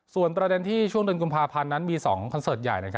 ส่วนประเด็นที่ช่วงเดือนกุมภาพันธ์นั้นมี๒คอนเสิร์ตใหญ่